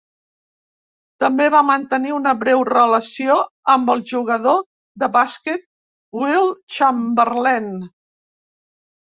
També va mantenir una breu relació amb el jugador de bàsquet Wilt Chamberlain.